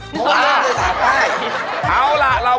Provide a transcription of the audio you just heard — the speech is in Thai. ผมก็เรียกว่า๓ป้าย